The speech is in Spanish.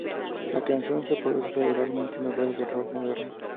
La canción se reproduce regularmente en las radios de rock moderno.